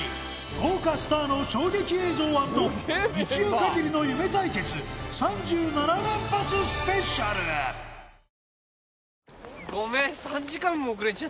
豪華スターの衝撃映像＆一夜限りの夢対決３７連発ＳＰさあ